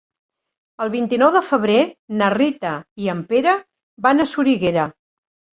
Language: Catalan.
El vint-i-nou de febrer na Rita i en Pere van a Soriguera.